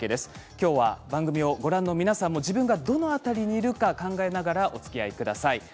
今日は番組をご覧の皆さんも自分がどの辺りにいるか考えながらおつきあいください。